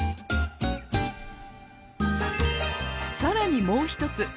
更にもう一つ。